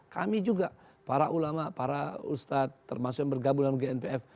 kami juga para ulama para ustad termasuk yang bergabung dalam gnpf